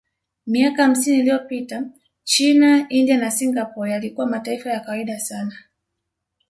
Miaka hamsini iliyopita China India na Singapore yalikuwa mataifa ya kawaida sana